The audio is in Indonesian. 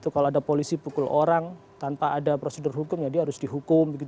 kalau ada polisi pukul orang tanpa ada prosedur hukum ya dia harus dihukum